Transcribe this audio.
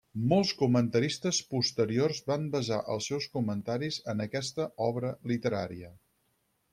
Molts comentaristes posteriors van basar els seus comentaris en aquesta obra literària.